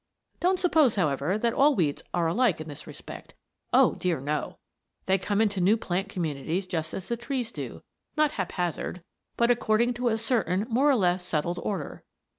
Don't suppose, however, that all weeds are alike in this respect. Oh, dear, no! They come into new plant communities just as the trees do, not haphazard, but according to a certain more or less settled order.